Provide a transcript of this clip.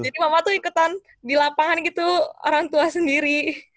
jadi mama tuh ikutan di lapangan gitu orang tua sendiri